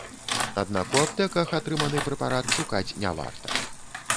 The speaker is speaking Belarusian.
Аднак у аптэках атрыманы прэпарат шукаць не варта.